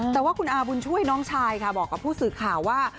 แต่ว่าคุณอาบุญช่วยน้องชายค่ะบอกกับผู้สื่อข่าวว่า